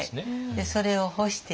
それを干している。